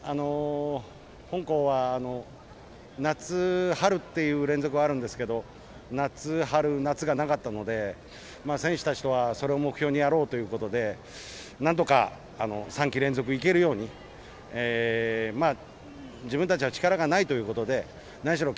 本校は夏、春という連続はあるんですけれど夏、春、夏はなかったので選手たちとは、それを目標にやろうということで何とか、３季連続、いけるように自分たちは力がないということで何しろ